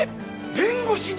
弁護士に！？